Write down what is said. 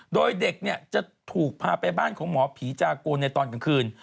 โดยเด็กเนี่ยจะถูกพาไปบ้านของหมอผีจากนในตอนกลางคืน